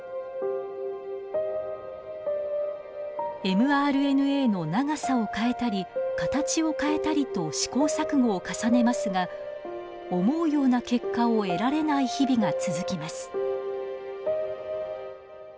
ｍＲＮＡの長さを変えたり形を変えたりと試行錯誤を重ねますが思うような結果を得られない日々が続きます。